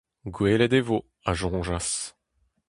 Gwelet e vo, a soñjas…